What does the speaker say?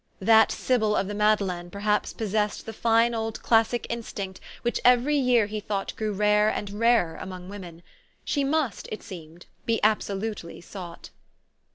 That sib} 7 ! of the Madeleine perhaps possessed the fine old classic instinct which every year he thought grew rare and rarer among women. She must, it seemed, be absolutely sought.